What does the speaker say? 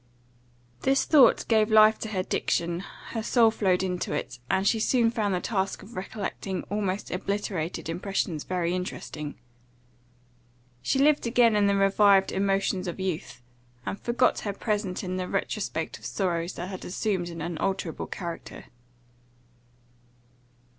This thought gave life to her diction, her soul flowed into it, and she soon found the task of recollecting almost obliterated impressions very interesting. She lived again in the revived emotions of youth, and forgot her present in the retrospect of sorrows that had assumed an unalterable character.